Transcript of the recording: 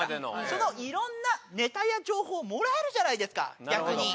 そのいろんなネタや情報をもらえるじゃないですか逆に。